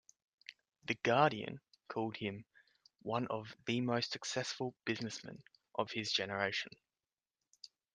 "The Guardian" called him "one of the most successful businessmen of his generation".